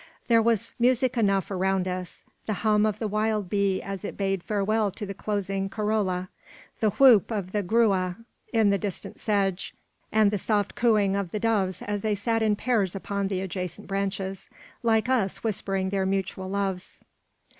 There was music enough around us; the hum of the wild bee as it bade farewell to the closing corolla; the whoop of the gruya in the distant sedge; and the soft cooing of the doves as they sat in pairs upon the adjacent branches, like us whispering their mutual loves.